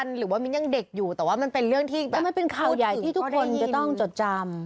เช่นเพศบริษัทใหม่